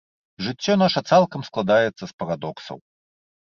Жыццё наша цалкам складаецца з парадоксаў.